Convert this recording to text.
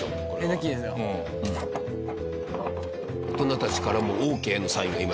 大人たちからもオーケーのサインが今。